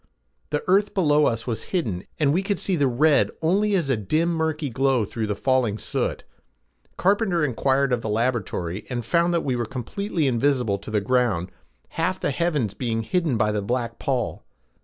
The earth below us was hidden and we could see the red only as a dim murky glow through the falling soot. Carpenter inquired of the laboratory and found that we were completely invisible to the ground, half the heavens being hidden by the black pall.